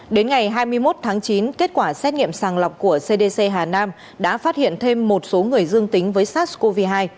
đến ngày hai mươi một tháng chín kết quả xét nghiệm sàng lọc của cdc hà nam đã phát hiện thêm một số người dương tính với sars cov hai